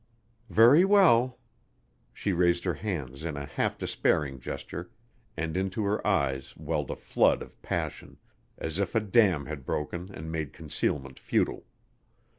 "Very well." She raised her hands in a half despairing gesture and into her eyes welled a flood of passion as if a dam had broken and made concealment futile.